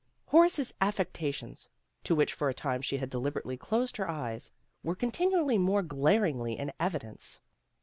Horace's affecta tions, to which for. a time she had deliberately closed her eyes, were continually more glaringly in evidence.